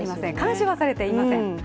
監視はされていません。